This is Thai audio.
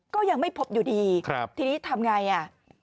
ก็ยังไม่พบอยู่ดีทีนี้ทำไงอ่ะ